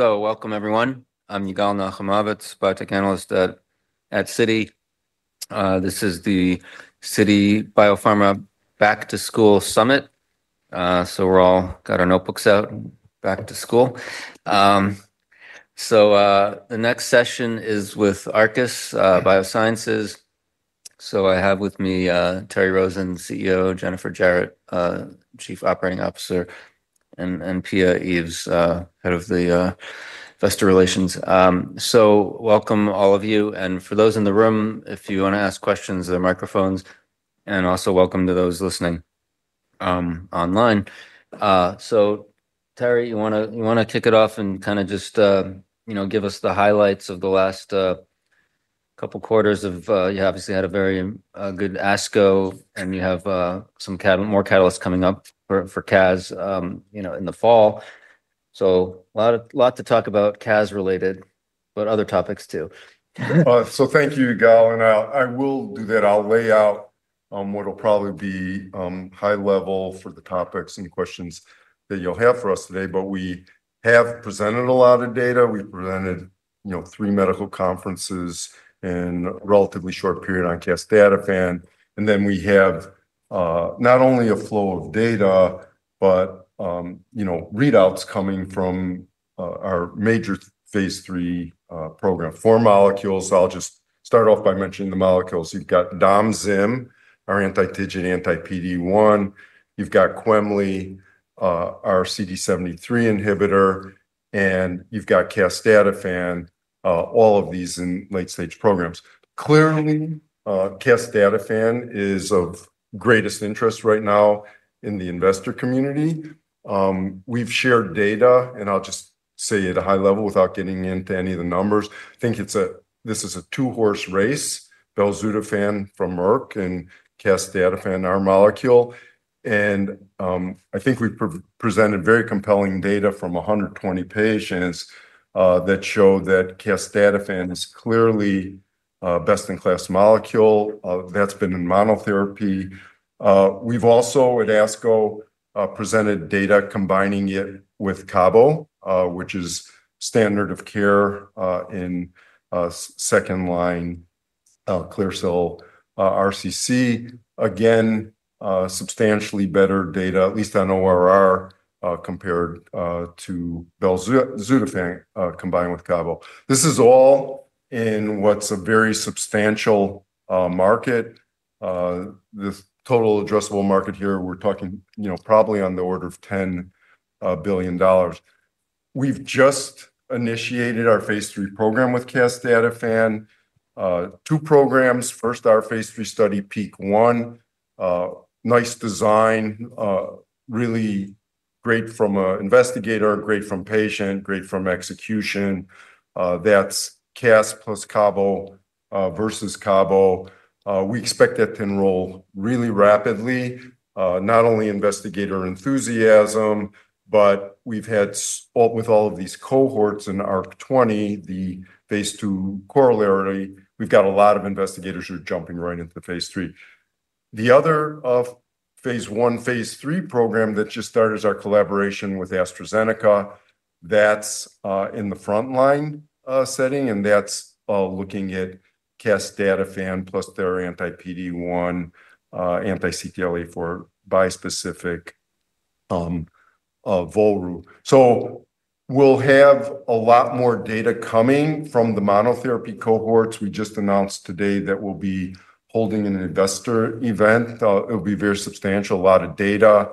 Welcome, everyone. I'm Yigal Nochomovitz, Biotech Analyst at Citi. This is the Citi Biopharma Back to School Summit. We're all got our notebooks out and back to school. The next session is with Arcus Biosciences. I have with me Terry Rosen, CEO, Jennifer Jarrett, Chief Operating Officer, and Pia Eaves, Head of Investor Relations. Welcome, all of you. And for those in the room, if you want to ask questions, there are microphones. And also, welcome to those listening online. Terry, you want to kick it off and kind of just give us the highlights of the last couple of quarters of you obviously had a very good ASCO, and you have some more catalysts coming up for CAS in the fall. A lot to talk about CAS-related, but other topics, too. So thank you, Yigal. And I will do that. I'll lay out what will probably be high level for the topics and questions that you'll have for us today. But we have presented a lot of data. We've presented three medical conferences in a relatively short period on Casdatifan. And then we have not only a flow of data, but readouts coming from our major phase III program for molecules. I'll just start off by mentioning the molecules. You've got Dom-Zim, our anti-TIGIT anti-PD-1. You've got Quemli, our CD73 inhibitor. And you've got Casdatifan, all of these in late-stage programs. Clearly, Casdatifan is of greatest interest right now in the investor community. We've shared data, and I'll just say it at a high level without getting into any of the numbers. I think this is a two-horse race. Belzutifan from Merck and Casdatifan, our molecule. I think we've presented very compelling data from 120 patients that show that Casdatifan is clearly a best-in-class molecule that's been in monotherapy. We've also, at ASCO, presented data combining it with Cabo, which is standard of care in second-line clear cell RCC. Again, substantially better data, at least on ORR, compared to Belzutifan combined with Cabo. This is all in what's a very substantial market. The total addressable market here, we're talking probably on the order of $10 billion. We've just initiated our phase III program with Casdatifan. Two programs. First, our phase III study, PEAK-1. Nice design, really great from an investigator, great from patient, great from execution. That's Casdatifan plus Cabo versus Cabo. We expect that to enroll really rapidly, not only investigator enthusiasm, but we've had, with all of these cohorts in ARC-20, the phase II correlative, we've got a lot of investigators who are jumping right into phase III. The other phase I, phase III program that just started is our collaboration with AstraZeneca. That's in the frontline setting, and that's looking at Casdatifan plus their anti-PD-1, anti-CTLA-4 bispecific volrustomig. So we'll have a lot more data coming from the monotherapy cohorts. We just announced today that we'll be holding an investor event. It'll be very substantial, a lot of data,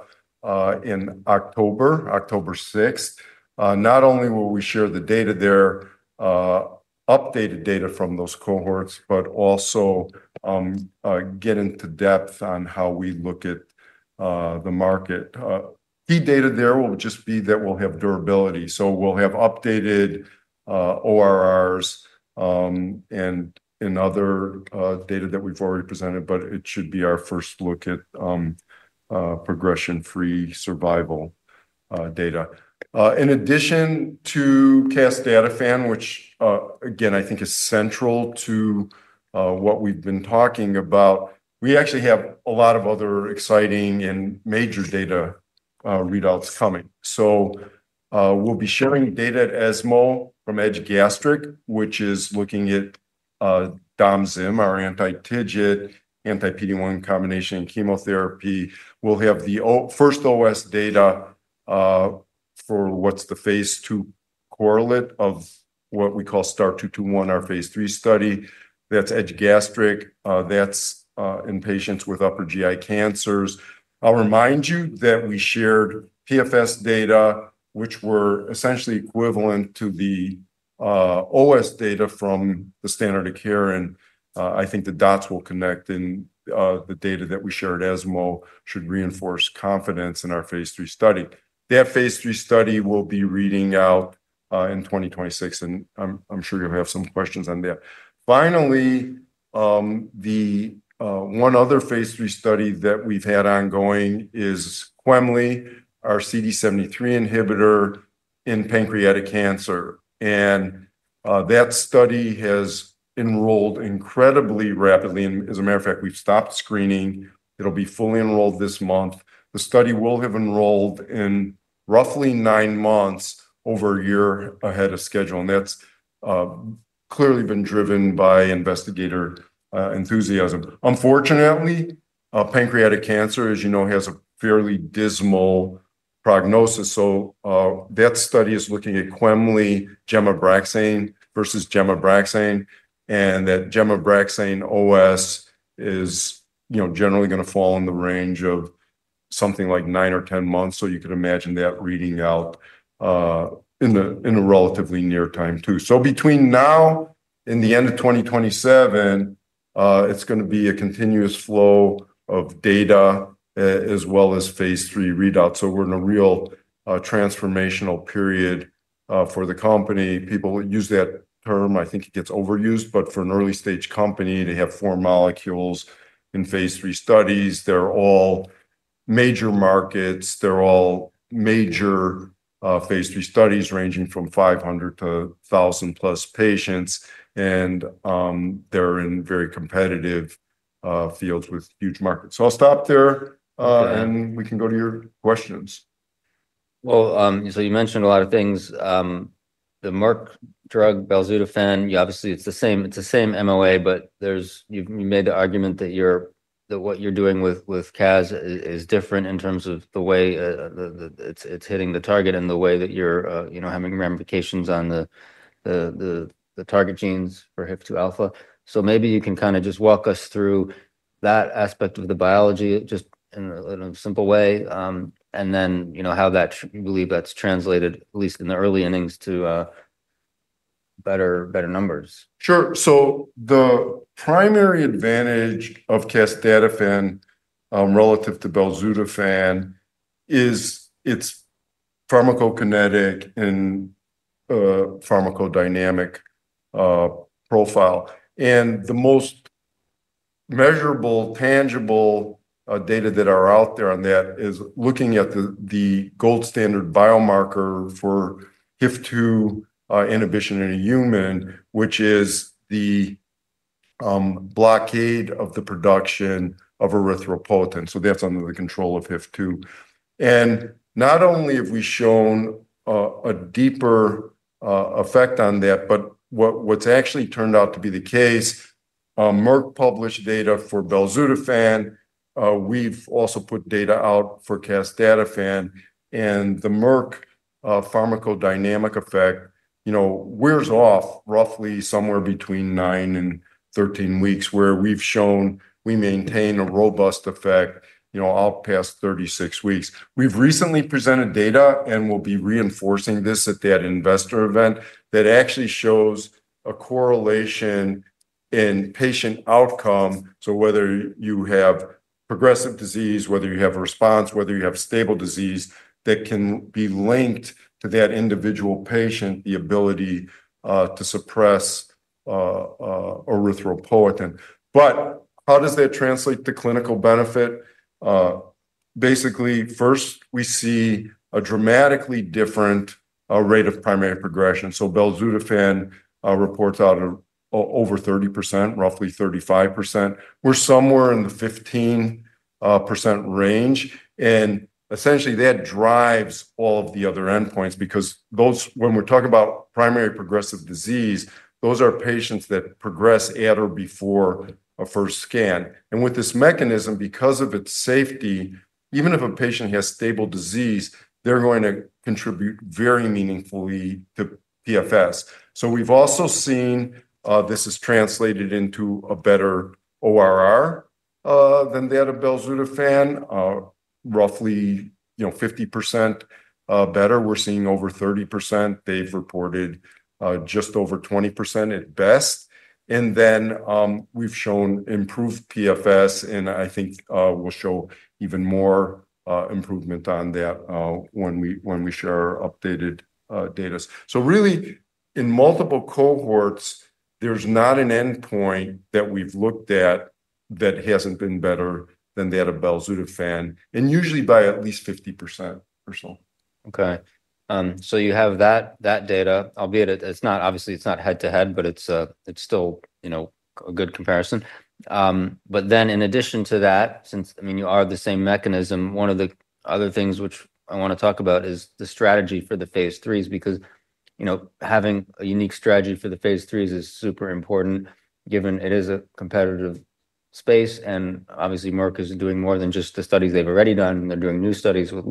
in October, October 6. Not only will we share the data there, updated data from those cohorts, but also get into depth on how we look at the market. Key data there will just be that we'll have durability. So we'll have updated ORRs and other data that we've already presented, but it should be our first look at progression-free survival data. In addition to Casdatifan, which, again, I think is central to what we've been talking about, we actually have a lot of other exciting and major data readouts coming. So we'll be sharing data at ESMO from EDGE-Gastric, which is looking at Dom-Zim, our anti-TIGIT, anti-PD-1 combination chemotherapy. We'll have the first OS data for what's the phase II correlate of what we call STAR-221, our phase III study. That's EDGE-Gastric. That's in patients with upper GI cancers. I'll remind you that we shared PFS data, which were essentially equivalent to the OS data from the standard of care. And I think the dots will connect, and the data that we shared at ESMO should reinforce confidence in our phase III study. That phase III study we'll be reading out in 2026, and I'm sure you'll have some questions on that. Finally, one other phase III study that we've had ongoing is Quemli, our CD73 inhibitor in pancreatic cancer, and that study has enrolled incredibly rapidly. As a matter of fact, we've stopped screening. It'll be fully enrolled this month. The study will have enrolled in roughly nine months over a year ahead of schedule, and that's clearly been driven by investigator enthusiasm. Unfortunately, pancreatic cancer, as you know, has a fairly dismal prognosis, so that study is looking at Quemli, GEM-Abraxane versus GEM-Abraxane, and that GEM-Abraxane OS is generally going to fall in the range of something like nine or ten months, so you could imagine that reading out in a relatively near time, too. So between now and the end of 2027, it's going to be a continuous flow of data as well as phase III readouts. So we're in a real transformational period for the company. People use that term. I think it gets overused. But for an early-stage company, they have four molecules in phase III studies. They're all major markets. They're all major phase III studies ranging from 500 to 1,000-plus patients. And they're in very competitive fields with huge markets. So I'll stop there, and we can go to your questions. You mentioned a lot of things. The Merck drug, Belzutifan, obviously, it's the same MOA, but you made the argument that what you're doing with CAS is different in terms of the way it's hitting the target and the way that you're having ramifications on the target genes for HIF-2 alpha. Maybe you can kind of just walk us through that aspect of the biology just in a simple way, and then how you believe that's translated, at least in the early innings, to better numbers. Sure. So the primary advantage of Casdatifan relative to Belzutifan is its pharmacokinetic and pharmacodynamic profile. And the most measurable, tangible data that are out there on that is looking at the gold standard biomarker for HIF-2 inhibition in a human, which is the blockade of the production of erythropoietin. So that's under the control of HIF-2. And not only have we shown a deeper effect on that, but what's actually turned out to be the case, Merck published data for Belzutifan. We've also put data out for Casdatifan. And the Merck pharmacodynamic effect wears off roughly somewhere between nine and 13 weeks, where we've shown we maintain a robust effect out past 36 weeks. We've recently presented data, and we'll be reinforcing this at that investor event, that actually shows a correlation in patient outcome. So whether you have progressive disease, whether you have a response, whether you have stable disease, that can be linked to that individual patient, the ability to suppress erythropoietin. But how does that translate to clinical benefit? Basically, first, we see a dramatically different rate of primary progression. So Belzutifan reports out over 30%, roughly 35%. We're somewhere in the 15% range. And essentially, that drives all of the other endpoints because when we're talking about primary progression, those are patients that progress at or before a first scan. And with this mechanism, because of its safety, even if a patient has stable disease, they're going to contribute very meaningfully to PFS. So we've also seen this is translated into a better ORR than that of Belzutifan, roughly 50% better. We're seeing over 30%. They've reported just over 20% at best. And then we've shown improved PFS, and I think we'll show even more improvement on that when we share updated data. So really, in multiple cohorts, there's not an endpoint that we've looked at that hasn't been better than that of Belzutifan, and usually by at least 50% or so. Okay, so you have that data, albeit obviously, it's not head-to-head, but it's still a good comparison. But then, in addition to that, since I mean, you are the same mechanism, one of the other things which I want to talk about is the strategy for the phase III's because having a unique strategy for the phase III's is super important given it is a competitive space, and obviously, Merck is doing more than just the studies they've already done. They're doing new studies with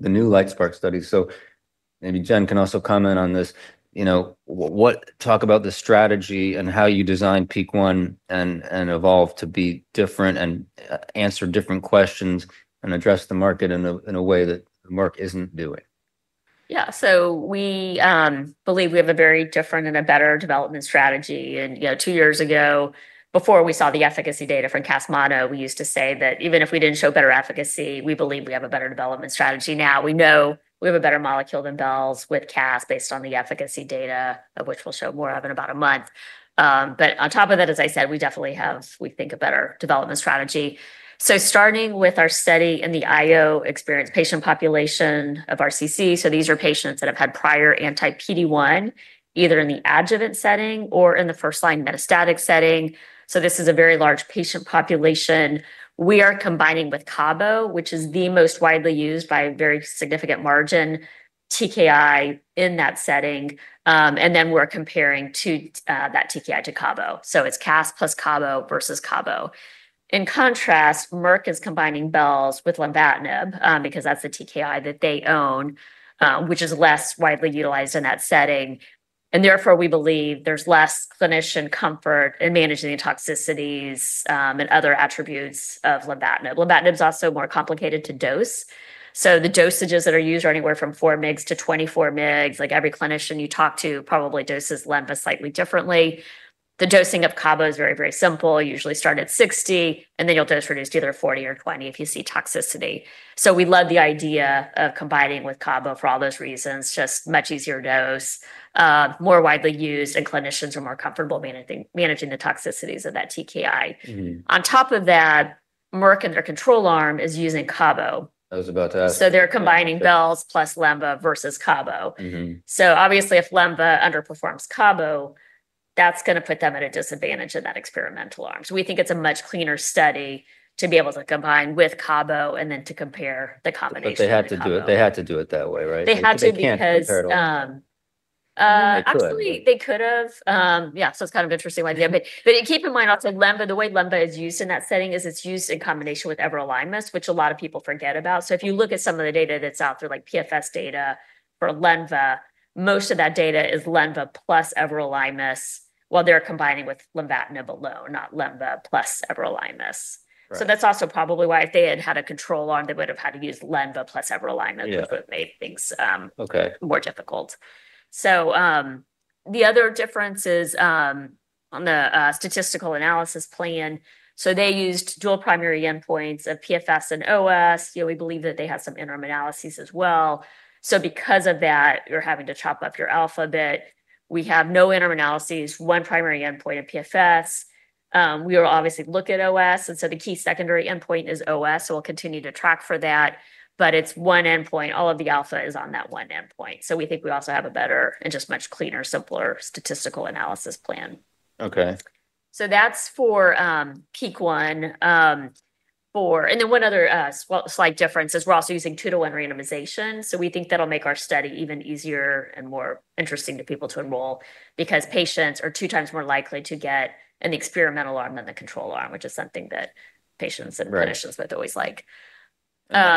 the new LITESPARK studies. So maybe Jen can also comment on this. Talk about the strategy and how you designed PEAK-1 and eVOLVE to be different and answer different questions and address the market in a way that Merck isn't doing. Yeah. So we believe we have a very different and a better development strategy. And two years ago, before we saw the efficacy data from Cas mono, we used to say that even if we didn't show better efficacy, we believe we have a better development strategy. Now we know we have a better molecule than Belz with CAS based on the efficacy data, of which we'll show more of in about a month. But on top of that, as I said, we definitely have, we think, a better development strategy. So starting with our study in the IO-experienced patient population of RCC. So these are patients that have had prior anti-PD-1 either in the adjuvant setting or in the first-line metastatic setting. So this is a very large patient population. We are combining with Cabo, which is the most widely used by a very significant margin TKI in that setting, and then we're comparing that TKI to Cabo, so it's Casdatifan plus Cabo versus Cabo. In contrast, Merck is combining Belz with Lenvatinib because that's the TKI that they own, which is less widely utilized in that setting, and therefore, we believe there's less clinician comfort in managing the toxicities and other attributes of Lenvatinib. Lenvatinib is also more complicated to dose, so the dosages that are used are anywhere from 4 mg-24 mg. Every clinician you talk to probably doses Lenvatinib slightly differently. The dosing of Cabo is very, very simple. Usually start at 60, and then you'll dose reduce to either 40 or 20 if you see toxicity. We love the idea of combining with Cabo for all those reasons, just much easier dose, more widely used, and clinicians are more comfortable managing the toxicities of that TKI. On top of that, Merck and their control arm is using Cabo. I was about to ask. They're combining Belz plus Lenva versus Cabo. Obviously, if Lenva underperforms Cabo, that's going to put them at a disadvantage in that experimental arm. We think it's a much cleaner study to be able to combine with Cabo and then to compare the combination. But they had to do it. They had to do it that way, right? They had to because. They can't do it comparatively. Actually, they could have. Yeah. So it's kind of an interesting idea. But keep in mind, also, the way Lenva is used in that setting is it's used in combination with Everolimus, which a lot of people forget about. So if you look at some of the data that's out there, like PFS data for Lenva, most of that data is Lenva plus Everolimus, while they're combining with Lenvatinib alone, not Lenva plus Everolimus. So that's also probably why if they had had a control arm, they would have had to use Lenva plus Everolimus because it would have made things more difficult. So the other difference is on the statistical analysis plan. So they used dual primary endpoints of PFS and OS. We believe that they have some interim analysIs as well. So because of that, you're having to chop up your alpha a bit. We have no interim analysIs, one primary endpoint of PFS. We will obviously look at OS. And so the key secondary endpoint is OS. So we'll continue to track for that. But it's one endpoint. All of the alpha is on that one endpoint. So we think we also have a better and just much cleaner, simpler statistical analysis plan. Okay. So that's for PEAK-1. And then one other slight difference is we're also using two-to-one randomization. So we think that'll make our study even easier and more interesting to people to enroll because patients are two times more likely to get in the experimental arm than the control arm, which is something that patients and clinicians always like.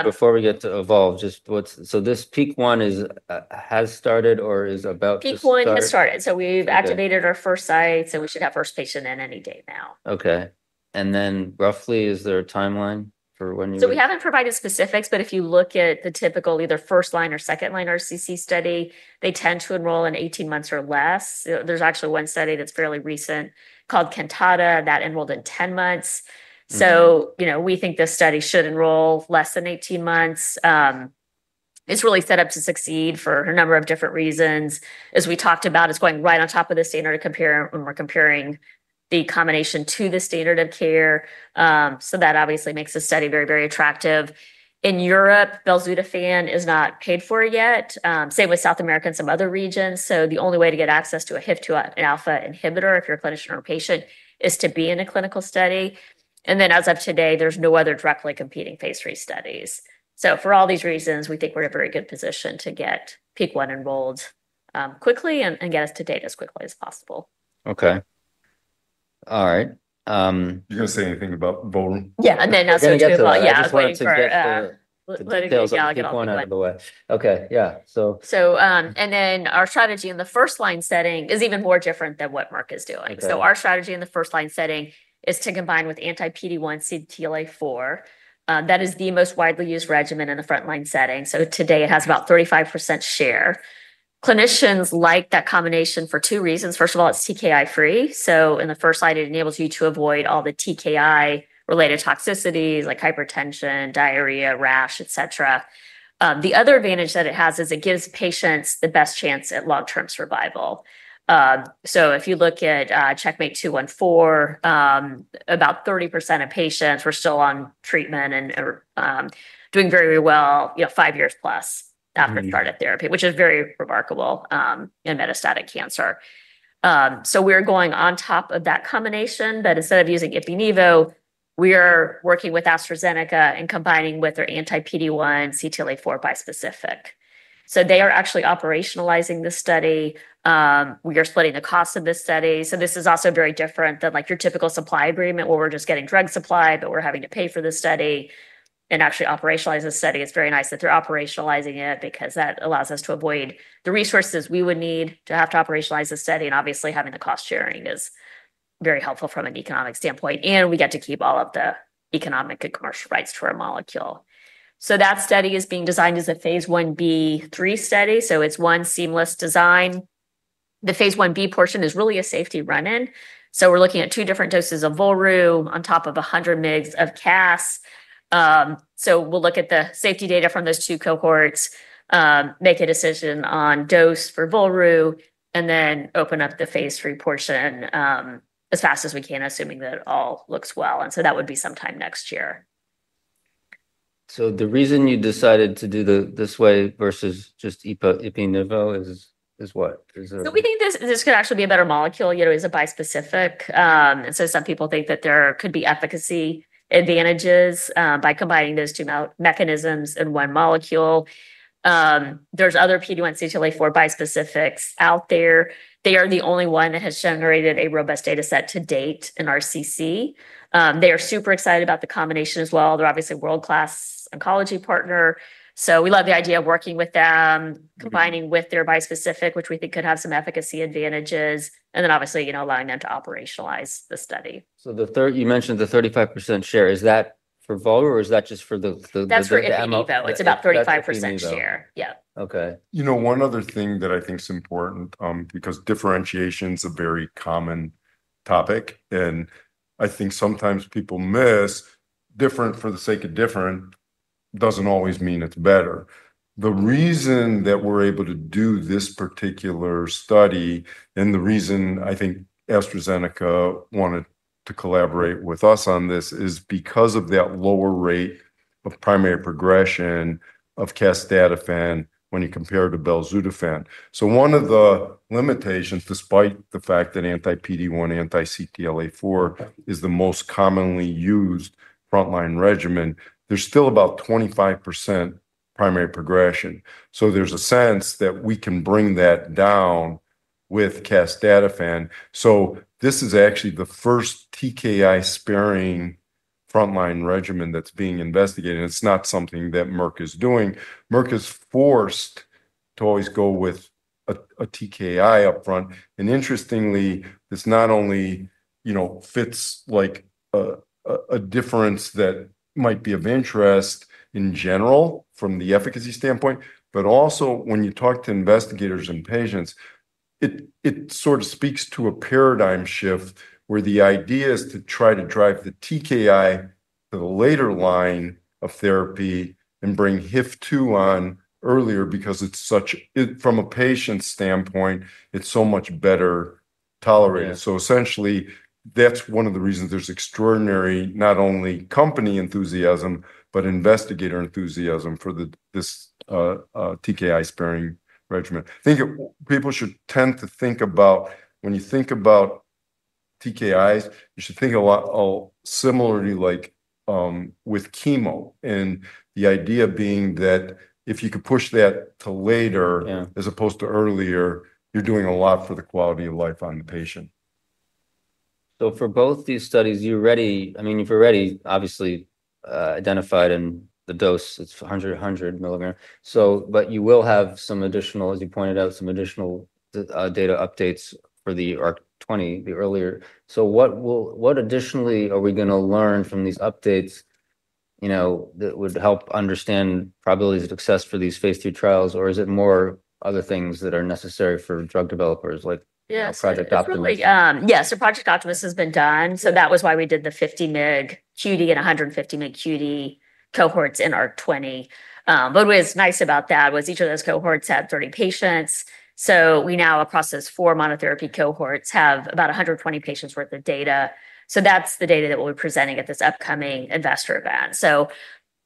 Before we get to eVOLVE, just so this PEAK-1 has started or is about to start? PEAK-1 has started, so we've activated our first sites, and we should have first patient in any day now. Okay, and then roughly, is there a timeline for when you're? So we haven't provided specifics, but if you look at the typical either first-line or second-line RCC study, they tend to enroll in 18 months or less. There's actually one study that's fairly recent called CANTATA that enrolled in 10 months. So we think this study should enroll less than 18 months. It's really set up to succeed for a number of different reasons. As we talked about, it's going right on top of the standard comparator when we're comparing the combination to the standard of care. So that obviously makes the study very, very attractive. In Europe, Belzutifan is not paid for yet. Same with South America and some other regions. So the only way to get access to a HIF-2 alpha inhibitor if you're a clinician or a patient is to be in a clinical study. And then as of today, there's no other directly competing phase III studies. So for all these reasons, we think we're in a very good position to get PEAK-1 enrolled quickly and get us to data as quickly as possible. Okay. All right. Did you want to say anything about eVOLVE? Yeah. And then I'll switch to eVOLVE. Yeah. I was going to say that. Pick one out of the way. Okay. Yeah. So. Our strategy in the first-line setting is even more different than what Merck is doing. Our strategy in the first-line setting is to combine with anti-PD-1, CTLA-4. That is the most widely used regimen in the front-line setting. Today, it has about 35% share. Clinicians like that combination for two reasons. First of all, it is TKI-free. In the first line, it enables you to avoid all the TKI-related toxicities like hypertension, diarrhea, rash, etc. The other advantage that it has is it gives patients the best chance at long-term survival. If you look at CheckMate 214, about 30% of patients were still on treatment and doing very well five years plus after started therapy, which is very remarkable in metastatic cancer. We are going on top of that combination. But instead of using Ipi/Nivo, we are working with AstraZeneca and combining with their anti-PD-1, CTLA-4 bispecific. So they are actually operationalizing this study. We are splitting the cost of this study. So this is also very different than your typical supply agreement where we're just getting drug supply, but we're having to pay for this study and actually operationalize this study. It's very nice that they're operationalizing it because that allows us to avoid the resources we would need to have to operationalize this study. And obviously, having the cost sharing is very helpful from an economic standpoint. And we get to keep all of the economic and commercial rights to our molecule. So that study is being designed as a phase Ib/III study. So it's one seamless design. The phase Ib portion is really a safety run-in. We're looking at two different doses of Volru on top of 100 mg of CAS. We'll look at the safety data from those two cohorts, make a decision on dose for Volru, and then open up the phase III portion as fast as we can, assuming that it all looks well. That would be sometime next year. So the reason you decided to do this way versus just Ipi/Nivo is what? So we think this could actually be a better molecule as a bispecific. And so some people think that there could be efficacy advantages by combining those two mechanisms in one molecule. There's other PD-1, CTLA-4 bispecifics out there. They are the only one that has generated a robust data set to date in RCC. They are super excited about the combination as well. They're obviously a world-class oncology partner. So we love the idea of working with them, combining with their bispecific, which we think could have some efficacy advantages, and then obviously allowing them to operationalize the study. You mentioned the 35% share. Is that for Volru, or is that just for the? That's for Ipi/Nivo. It's about 35% share. Yeah. Okay. One other thing that I think is important because differentiation is a very common topic. And I think sometimes people miss different for the sake of different doesn't always mean it's better. The reason that we're able to do this particular study and the reason I think AstraZeneca wanted to collaborate with us on this is because of that lower rate of primary progression of Casdatifan when you compare to Belzutifan. So one of the limitations, despite the fact that anti-PD-1, anti-CTLA-4 is the most commonly used first-line regimen, there's still about 25% primary progression. So there's a sense that we can bring that down with Casdatifan. So this is actually the first TKI-sparing first-line regimen that's being investigated. And it's not something that Merck is doing. Merck is forced to always go with a TKI upfront. And interestingly, this not only fits a difference that might be of interest in general from the efficacy standpoint, but also when you talk to investigators and patients, it sort of speaks to a paradigm shift where the idea is to try to drive the TKI to the later line of therapy and bring HIF-2 on earlier because from a patient standpoint, it's so much better tolerated. So essentially, that's one of the reasons there's extraordinary not only company enthusiasm, but investigator enthusiasm for this TKI-sparing regimen. I think people should tend to think about when you think about TKIs, you should think a lot similarly like with chemo. And the idea being that if you could push that to later as opposed to earlier, you're doing a lot for the quality of life on the patient. For both these studies, you already obviously identified in the dose, it's 100 mg. But you will have some additional, as you pointed out, data updates for the ARC-20, the earlier. What additionally are we going to learn from these updates that would help understand probabilities of success for these phase three trials, or is it more other things that are necessary for drug developers like Project Optimus? Yes. Project Optimus has been done, so that was why we did the 50 mg QD and 150 mg QD cohorts in ARC-20. But what was nice about that was each of those cohorts had 30 patients, so we now, across those four monotherapy cohorts, have about 120 patients' worth of data. That's the data that we'll be presenting at this upcoming investor event, so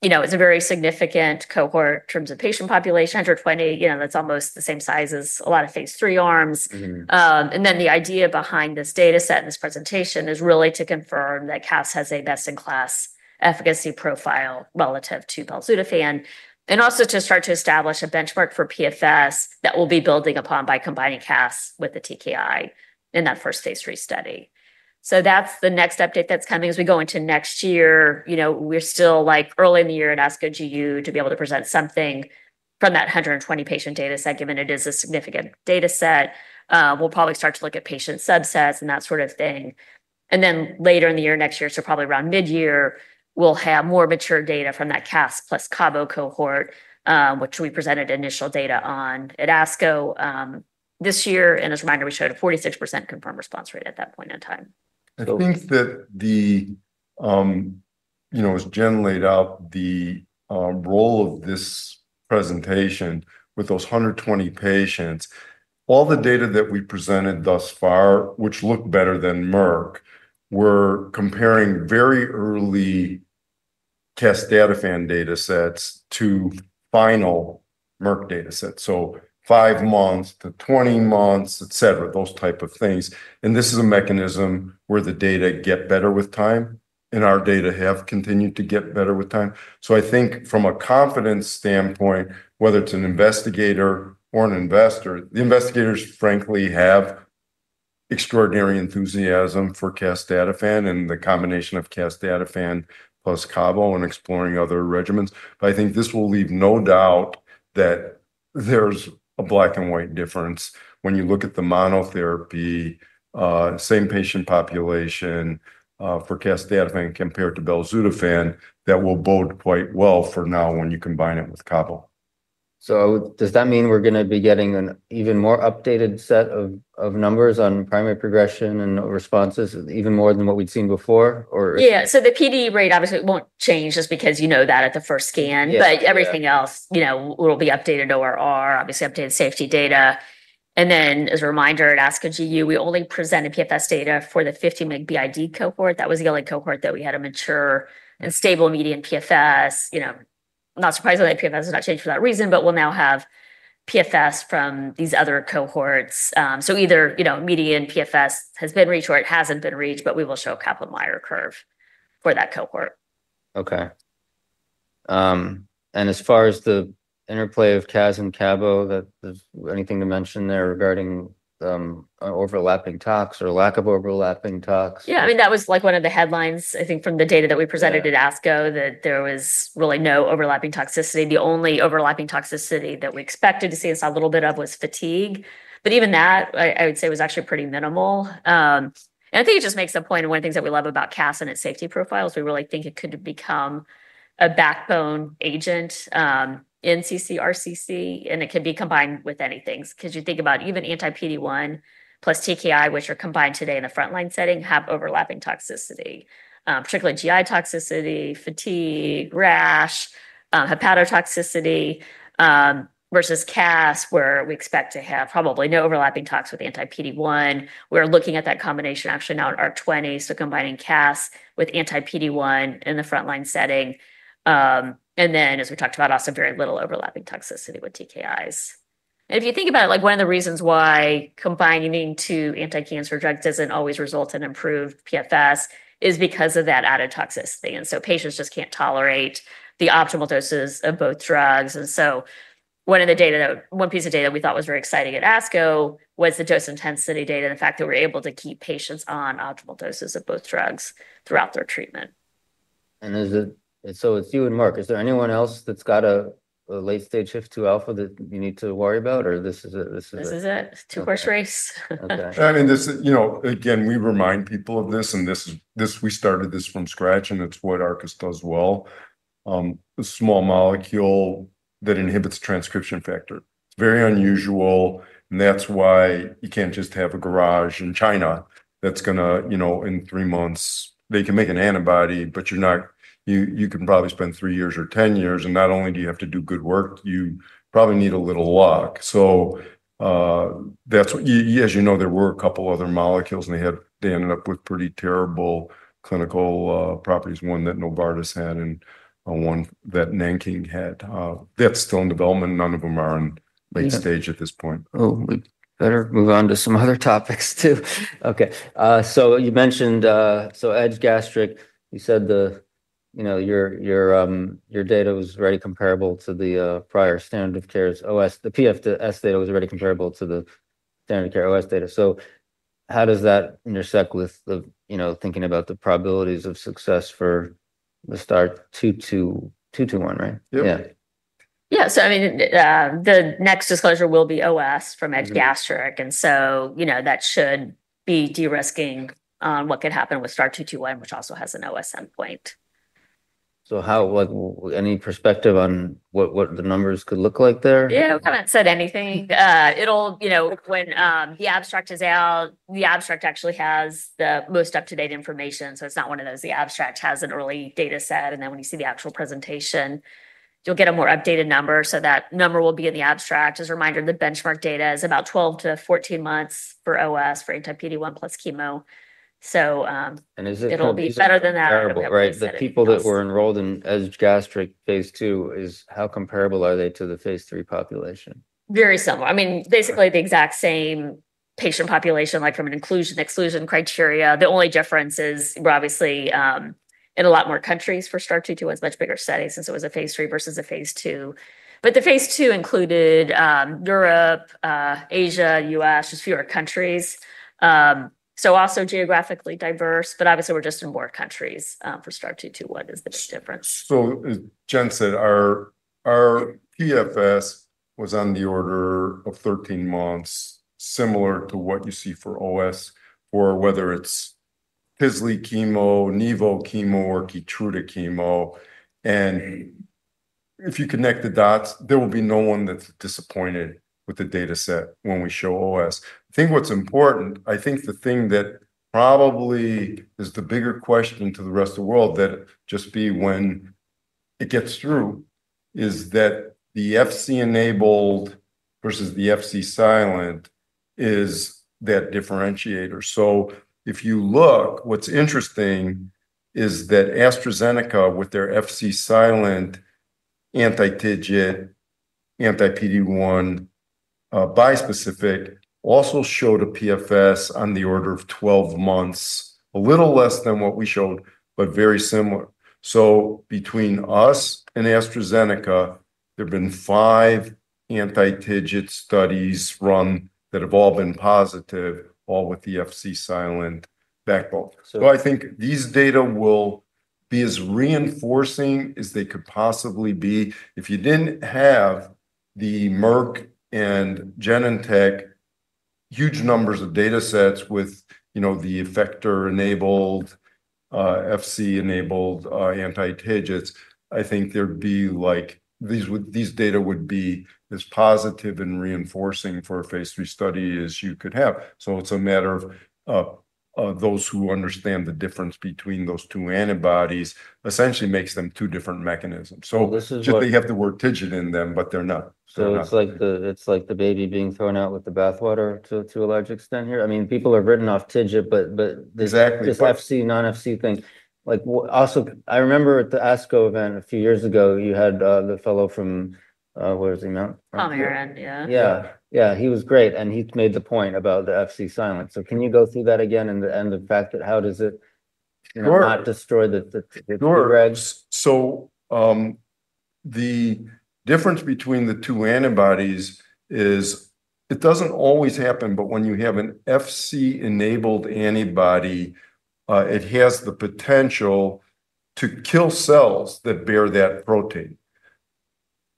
it's a very significant cohort in terms of patient population. 120, that's almost the same size as a lot of phase III arms. The idea behind this data set and this presentation is really to confirm that CAS has a best-in-class efficacy profile relative to Belzutifan and also to start to establish a benchmark for PFS that we'll be building upon by combining CAS with the TKI in that first phase III study. That's the next update that's coming as we go into next year. We're still early in the year and ASCO GU to be able to present something from that 120-patient data set, given it is a significant data set. We'll probably start to look at patient subsets and that sort of thing. And then later in the year, next year, so probably around mid-year, we'll have more mature data from that CAS plus Cabo cohort, which we presented initial data on at ASCO this year. And as a reminder, we showed a 46% confirmed response rate at that point in time. I think that it was Jen laid out the role of this presentation with those 120 patients. All the data that we presented thus far, which looked better than Merck, we're comparing very early Casdatifan data sets to final Merck data sets. So five months to 20 months, etc., those type of things. And this is a mechanism where the data get better with time, and our data have continued to get better with time. So I think from a confidence standpoint, whether it's an investigator or an investor, the investigators, frankly, have extraordinary enthusiasm for Casdatifan and the combination of Casdatifan plus Cabo and exploring other regimens. But I think this will leave no doubt that there's a black-and-white difference when you look at the monotherapy, same patient population for Casdatifan compared to Belzutifan that will bode quite well for now when you combine it with Cabo. So does that mean we're going to be getting an even more updated set of numbers on primary progression and responses, even more than what we'd seen before? Yeah. So the PD rate, obviously, won't change just because you know that at the first scan. But everything else will be updated ORR, obviously updated safety data. And then as a reminder, at ASCO GU, we only presented PFS data for the 50 mg BID cohort. That was the only cohort that we had a mature and stable median PFS. Not surprisingly, PFS has not changed for that reason, but we'll now have PFS from these other cohorts. So either median PFS has been reached or it hasn't been reached, but we will show a Kaplan-Meier curve for that cohort. Okay, and as far as the interplay of CAS and Cabo, anything to mention there regarding overlapping tox or lack of overlapping tox? Yeah. I mean, that was one of the headlines, I think, from the data that we presented at ASCO, that there was really no overlapping toxicity. The only overlapping toxicity that we expected to see a little bit of was fatigue, but even that, I would say, was actually pretty minimal, and I think it just makes a point of one of the things that we love about CAS and its safety profiles. We really think it could become a backbone agent in ccRCC, and it can be combined with anything. Because you think about even anti-PD-1 plus TKI, which are combined today in the front-line setting, have overlapping toxicity, particularly GI toxicity, fatigue, rash, hepatotoxicity versus CAS, where we expect to have probably no overlapping tox with anti-PD-1. We're looking at that combination actually now in ARC-20, so combining CAS with anti-PD-1 in the front-line setting. And then, as we talked about, also very little overlapping toxicity with TKIs. And if you think about it, one of the reasons why combining two anti-cancer drugs doesn't always result in improved PFS is because of that added toxicity. And so patients just can't tolerate the optimal doses of both drugs. And so one of the pieces of data that we thought was very exciting at ASCO was the dose intensity data and the fact that we were able to keep patients on optimal doses of both drugs throughout their treatment. It's you and Merck. Is there anyone else that's got a late-stage HIF-2 alpha that you need to worry about, or this is it? This is it. It's a two-horse race. I mean, again, we remind people of this, and we started this from scratch, and it's what Arcus does well. A small molecule that inhibits transcription factor. It's very unusual, and that's why you can't just have a garage in China that's going to, in three months, they can make an antibody, but you can probably spend three years or 10 years, and not only do you have to do good work, you probably need a little luck. So as you know, there were a couple of other molecules, and they ended up with pretty terrible clinical properties, one that Novartis had and one that NiKang had. That's still in development. None of them are in late stage at this point. Oh, we better move on to some other topics too. Okay. So you mentioned EDGE-Gastric. You said your data was very comparable to the prior standard of care's OS. The PFS data was already comparable to the standard of care OS data. So how does that intersect with thinking about the probabilities of success for the STAR-221, right? Yeah. Yeah. So I mean, the next disclosure will be OS from EDGE-Gastric. And so that should be de-risking what could happen with STAR-221, which also has an OS endpoint. So any perspective on what the numbers could look like there? Yeah. We haven't said anything. When the abstract is out, the abstract actually has the most up-to-date information. So it's not one of those. The abstract has an early data set. And then when you see the actual presentation, you'll get a more updated number. So that number will be in the abstract. As a reminder, the benchmark data is about 12-14 months for OS for anti-PD-1 plus chemo. So it'll be better than that. And is it comparable, right? The people that were enrolled in EDGE-Gastric phase II, how comparable are they to the phase III population? Very similar. I mean, basically the exact same patient population from an inclusion-exclusion criteria. The only difference is we're obviously in a lot more countries for STAR-221, much bigger study since it was a phase III versus a phase II. But the phase II included Europe, Asia, U.S., just fewer countries. So also geographically diverse, but obviously we're just in more countries for STAR-221, is the big difference. Jen said our PFS was on the order of 13 months, similar to what you see for OS, for whether it's Ipi chemo, Nivo chemo, or Keytruda chemo. If you connect the dots, there will be no one that's disappointed with the data set when we show OS. I think what's important, I think the thing that probably is the bigger question to the rest of the world that just is when it gets through is that the Fc-enabled versus the Fc-silent is that differentiator. If you look, what's interesting is that AstraZeneca with their Fc-silent anti-TIGIT, anti-PD-1 bispecific also showed a PFS on the order of 12 months, a little less than what we showed, but very similar. Between us and AstraZeneca, there have been five anti-TIGIT studies run that have all been positive, all with the Fc-silent backbone. So I think these data will be as reinforcing as they could possibly be. If you didn't have the Merck and Genentech huge numbers of data sets with the effector-enabled, Fc-enabled anti-TIGITs, I think these data would be as positive and reinforcing for a phase III study as you could have. So it's a matter of those who understand the difference between those two antibodies essentially makes them two different mechanisms. So they have the word TIGIT in them, but they're not. It's like the baby being thrown out with the bathwater to a large extent here. I mean, people are written off TIGIT, but this Fc, non-Fc thing. Also, I remember at the ASCO event a few years ago, you had the fellow from where was he? Pamplona, yeah. Yeah. Yeah. He was great. And he made the point about the Fc-silent. So can you go through that again and the fact that how does it not destroy the TIGIT Tregs? So the difference between the two antibodies is it doesn't always happen, but when you have an Fc-enabled antibody, it has the potential to kill cells that bear that protein.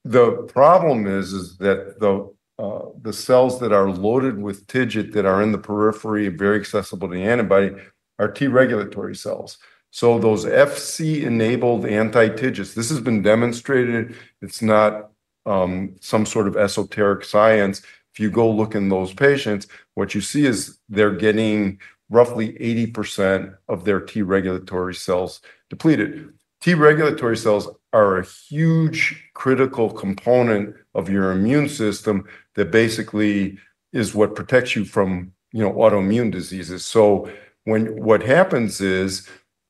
The problem is that the cells that are loaded with TIGIT that are in the periphery and very accessible to the antibody are T regulatory cells. So those Fc-enabled anti-TIGITs, this has been demonstrated. It's not some sort of esoteric science. If you go look in those patients, what you see is they're getting roughly 80% of their T regulatory cells depleted. T regulatory cells are a huge critical component of your immune system that basically is what protects you from autoimmune diseases. So what happens is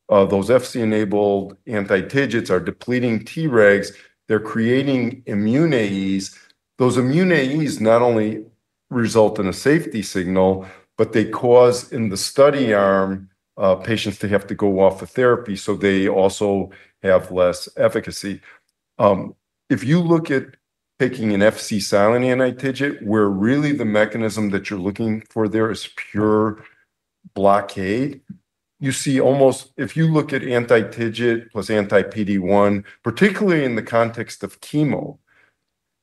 those Fc-enabled anti-TIGITs are depleting T regs. They're creating immune AEs. Those immune AEs not only result in a safety signal, but they cause in the study arm patients to have to go off of therapy. So they also have less efficacy. If you look at taking an Fc-silent anti-TIGIT, where really the mechanism that you're looking for there is pure blockade, you see almost if you look at anti-TIGIT plus anti-PD-1, particularly in the context of chemo,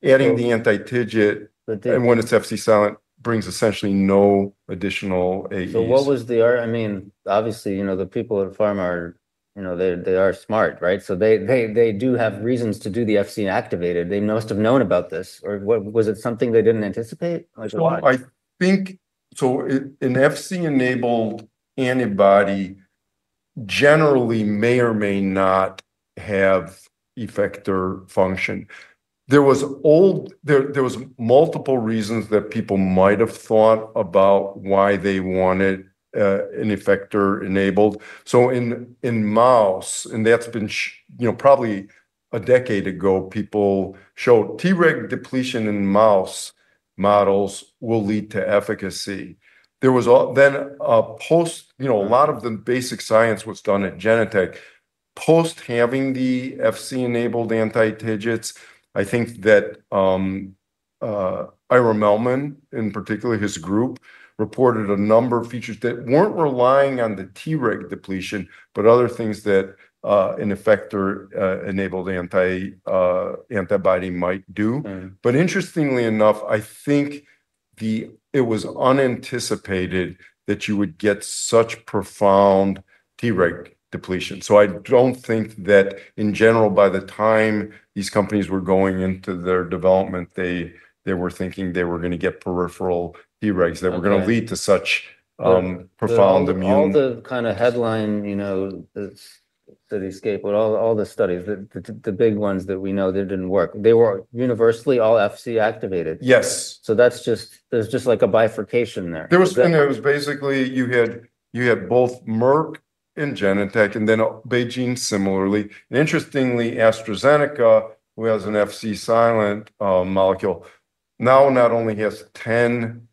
adding the anti-TIGIT and when it's Fc-silent brings essentially no additional AEs. So what was the—I mean, obviously, the people at Pharma, they are smart, right? So they do have reasons to do the Fc-enabled. They must have known about this. Or was it something they didn't anticipate? An Fc-enabled antibody generally may or may not have effector function. There was multiple reasons that people might have thought about why they wanted an effector-enabled. In mouse, and that's been probably a decade ago, people showed T reg depletion in mouse models will lead to efficacy. Then a lot of the basic science was done at Genentech. Post having the Fc-enabled anti-TIGITs, I think that Ira Mellman, in particular, his group reported a number of features that weren't relying on the T reg depletion, but other things that an effector-enabled antibody might do. Interestingly enough, I think it was unanticipated that you would get such profound T reg depletion. I don't think that in general, by the time these companies were going into their development, they were thinking they were going to get peripheral T regs that were going to lead to such profound immunity. All the kind of headline study landscape, all the studies, the big ones that we know that didn't work. They were universally all Fc-activated. Yes. So there's just like a bifurcation there. There was basically you had both Merck and Genentech, and then BeiGene similarly. Interestingly, AstraZeneca, who has an Fc-silent molecule, now not only has 10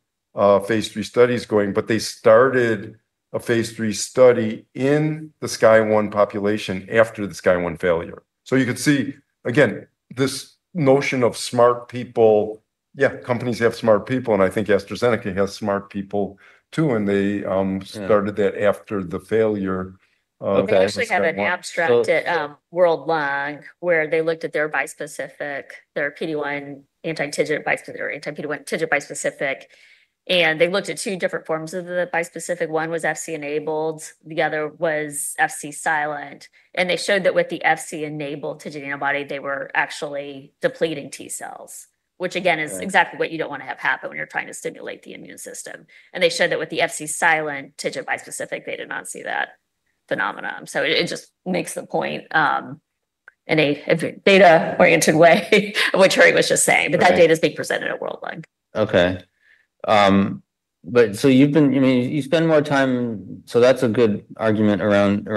phase III studies going, but they started a phase III study in the SKY-1 population after the SKY-1 failure. So you could see, again, this notion of smart people. Yeah, companies have smart people, and I think AstraZeneca has smart people too, and they started that after the failure. They actually had an abstract at World Lung where they looked at their PD-1 anti-TIGIT or anti-PD-1 TIGIT bispecific, and they looked at two different forms of the bispecific. One was Fc-enabled. The other was Fc-silent. They showed that with the Fc-enabled TIGIT antibody, they were actually depleting T cells, which again is exactly what you don't want to have happen when you're trying to stimulate the immune system. They showed that with the Fc-silent TIGIT bispecific, they did not see that phenomenon. So it just makes the point in a data-oriented way, which Terry was just saying, but that data is being presented at World Lung. Okay, but so you spend more time, so that's a good argument around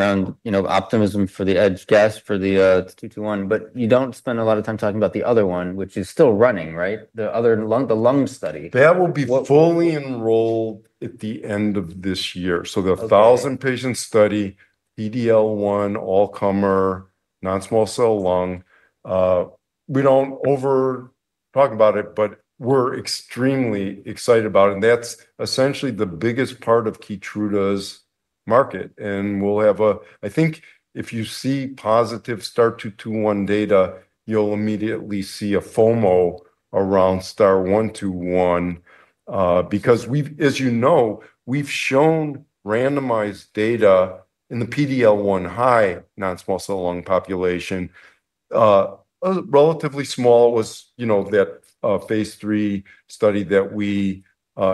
optimism for the EDGE-Gas for the 221, but you don't spend a lot of time talking about the other one, which is still running, right? The lung study. That will be fully enrolled at the end of this year. The 1,000-patient study, PD-L1 high, non-small cell lung. We don't overtalk about it, but we're extremely excited about it. That's essentially the biggest part of Keytruda's market. We'll have a, I think if you see positive STAR-221 data, you'll immediately see a FOMO around STAR-121. Because as you know, we've shown randomized data in the PD-L1 high non-small cell lung population, relatively small was that phase three study that we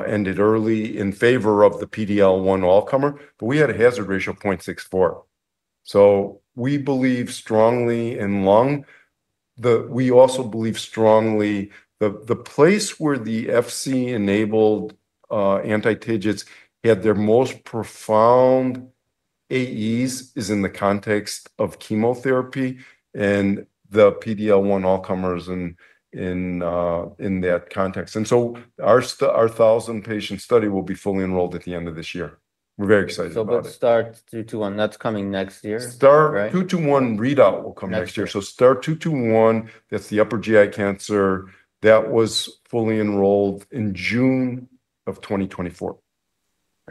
ended early in favor of the PD-L1 high. We had a hazard ratio of 0.64. We believe strongly in lung. We also believe strongly the place where the Fc-enabled anti-TIGITs had their most profound AEs is in the context of chemotherapy and the PD-L1 high in that context. Our 1,000-patient study will be fully enrolled at the end of this year. We're very excited about it. About STAR-221, that's coming next year, right? STAR-221 readout will come next year. STAR-221, that's the upper GI cancer that was fully enrolled in June of 2024.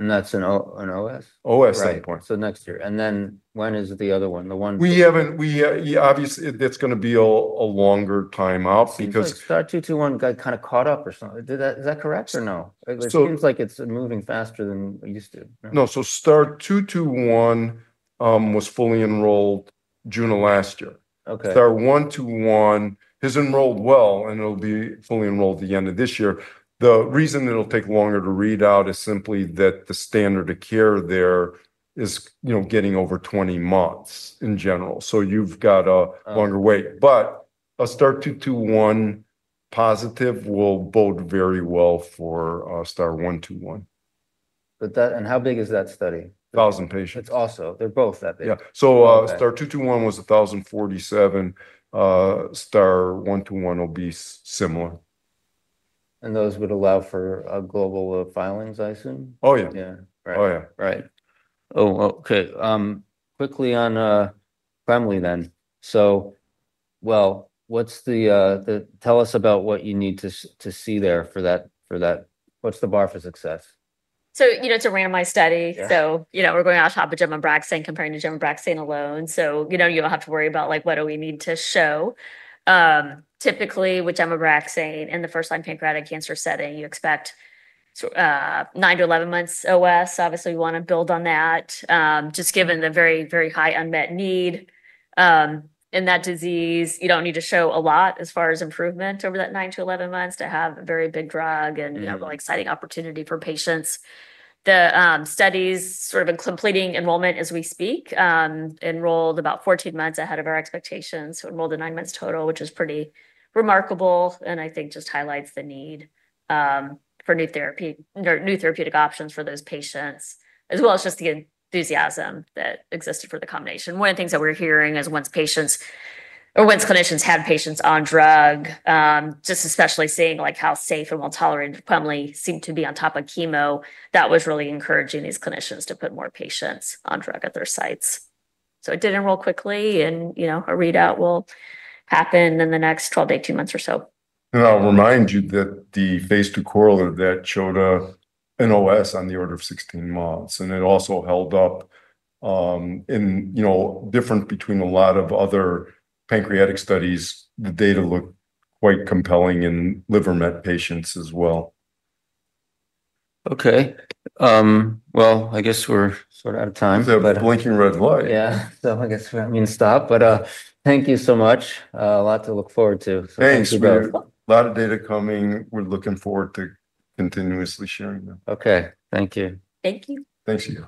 That's an OS? OS standpoint. Right. So next year. And then when is the other one? The one. Obviously, that's going to be a longer time out because. STAR-221 got kind of caught up or something. Is that correct or no? It seems like it's moving faster than it used to. No. So STAR-221 was fully enrolled June of last year. STAR-121 has enrolled well, and it'll be fully enrolled at the end of this year. The reason it'll take longer to read out is simply that the standard of care there is getting over 20 months in general. So you've got a longer wait. But a STAR-221 positive will bode very well for STAR-121. How big is that study? 1,000 patients. It's also, they're both that big. Yeah, so STAR-221 was 1,047. STAR-121 will be similar. Those would allow for global filings, I assume? Oh, yeah. Yeah. Right. Oh, okay. Quickly on family then, so well, tell us about what you need to see there for that. What's the bar for success? So it's a randomized study. So we're going on top of GEM-Abraxane comparing to GEM-Abraxane alone. So you don't have to worry about what do we need to show. Typically, with GEM-Abraxane in the first-line pancreatic cancer setting, you expect nine-11 months OS. Obviously, we want to build on that. Just given the very, very high unmet need in that disease, you don't need to show a lot as far as improvement over that nine-11 months to have a very big drug and an exciting opportunity for patients. The studies sort of completing enrollment as we speak enrolled about 14 months ahead of our expectations. So enrolled in nine months total, which is pretty remarkable and I think just highlights the need for new therapy or new therapeutic options for those patients, as well as just the enthusiasm that existed for the combination. One of the things that we're hearing is once patients or once clinicians have patients on drug, just especially seeing how safe and well-tolerated Quemli seems to be on top of chemo, that was really encouraging these clinicians to put more patients on drug at their sites, so it did enroll quickly, and a readout will happen in the next 12 to 18 months or so. I'll remind you that the phase two correlate of that showed an OS on the order of 16 months. It also held up differently between a lot of other pancreatic studies. The data looked quite compelling in liver met patients as well. Okay, well, I guess we're sort of out of time. It's a blinking red light. Yeah. So I guess we're having to stop. But thank you so much. A lot to look forward to. Thanks. A lot of data coming. We're looking forward to continuously sharing them. Okay. Thank you. Thank you. Thank you.